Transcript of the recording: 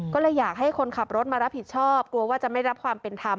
ก็เลยอยากให้คนขับรถมารับผิดชอบกลัวว่าจะไม่รับความเป็นธรรม